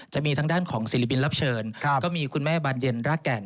จะมีทางด้านของศิลปินรับเชิญก็มีคุณแม่บานเย็นรากแก่น